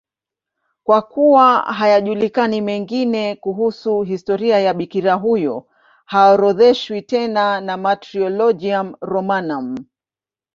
Kwa kuwa hayajulikani mengine kuhusu historia ya bikira huyo, haorodheshwi tena na Martyrologium Romanum.